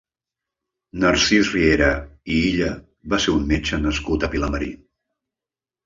Narcís Riera i Illa va ser un metge nascut a Vilamarí.